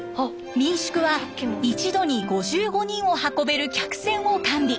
民宿は一度に５５人を運べる客船を完備。